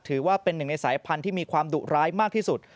ถือว่าเป็นหนึ่งในสายพันธุ์ที่มีความดุร้ายมากที่สุด